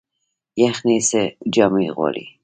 یخني څه جامې غواړي؟